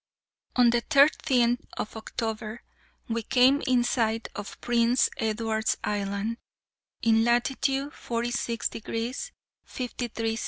On the thirteenth of October we came in sight of Prince Edward's Island, in latitude 46 degrees 53' S.